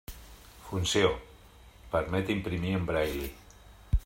Funció: permet imprimir en braille.